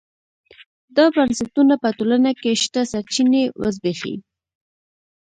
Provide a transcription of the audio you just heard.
دا بنسټونه په ټولنه کې شته سرچینې وزبېښي.